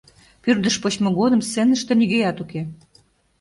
Пӱрдыш почмо годым сценыште нигӧат уке.